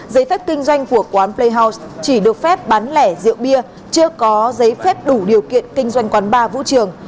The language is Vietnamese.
giấy phép kinh doanh của quán play house chỉ được phép bán lẻ rượu bia chưa có giấy phép đủ điều kiện kinh doanh quán bar vũ trường